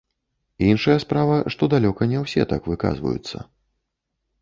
Іншая справа, што далёка не ўсе так выказваюцца.